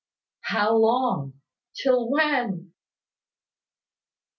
"How long? Till when?"